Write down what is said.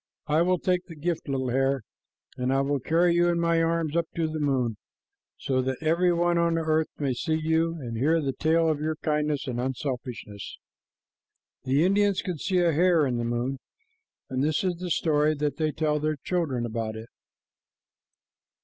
I will take the gift, little hare, and I will carry you in my arms up to the moon, so that every one on the earth may see you and hear the tale of your kindness and unselfishness." The Indians can see a hare in the moon, and this is the story that they tell their children about it.